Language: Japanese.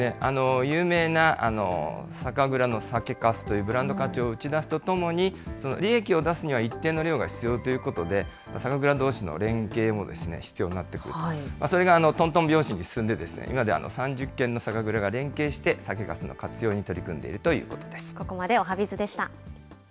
有名な酒蔵の酒かすというブランド価値を打ち出すとともに、利益を出すには一定の量が必要ということで、酒蔵どうしの連携も必要になってくると、それがとんとん拍子に進んで、今では３０軒の酒蔵が連携して酒かすの活用に取り組んでいるということです。